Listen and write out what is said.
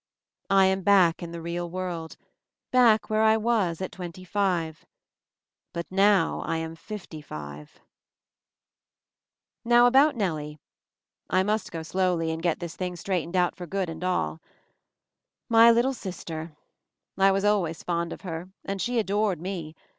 I am back in the real world, back where I was at twenty five. But now I am fifty five —^_•••• Now, about Nellie. I must go slowly and ) MOVING THE MOUNTAIN 15 get this thing straightened out for good and all. My little sister! I was always fond of her, and she adored me.